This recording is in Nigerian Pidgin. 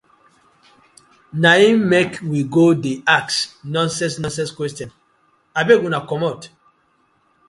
Na im mek we go dey ask nonsense nonsense question, abeg una komot.